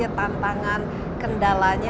apa saja tantangan kendalanya